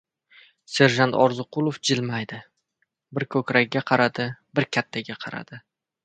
Serjant Orziqulov jilmaydi. Bir ko‘kragiga qaradi, bir kattaga qaradi.